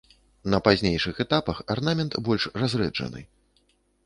На пазнейшых этапах арнамент больш разрэджаны.